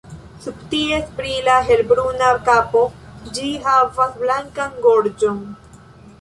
Sub ties brila helbruna kapo, ĝi havas blankan gorĝon.